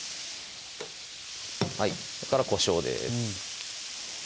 はいそれからこしょうです